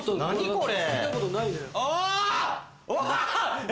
これ！